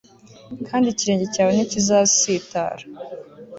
Kandi ikirenge cyawe ntikizasitara